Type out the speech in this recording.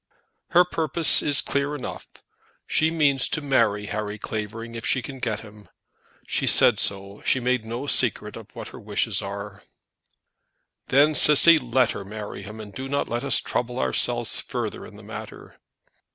"Her purpose is clear enough. She means to marry Harry Clavering if she can get him. She said so. She made no secret of what her wishes are." "Then, Cissy, let her marry him, and do not let us trouble ourselves further in the matter."